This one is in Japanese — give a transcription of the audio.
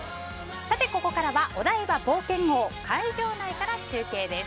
ここからはお台場冒険王の会場内から中継です。